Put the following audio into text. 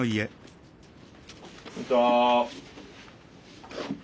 こんにちは。